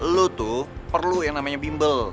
lo tuh perlu yang namanya bimbal